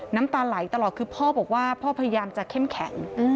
น้ำตาไหลตลอดคือพ่อบอกว่าพ่อพยายามจะเข้มแข็ง